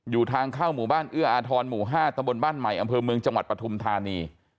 ทางเข้าหมู่บ้านเอื้ออาทรหมู่๕ตะบนบ้านใหม่อำเภอเมืองจังหวัดปฐุมธานี